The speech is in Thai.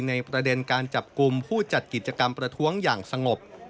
ในประเด็นการจับกลุ่มผู้จัดกิจกรรมประท้วงอย่างสงบ